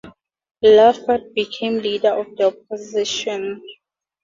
Lougheed became Leader of the Opposition.